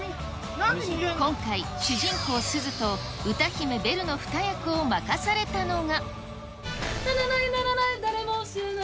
今回、主人公、すずと歌姫ベルの２役を任されたのが。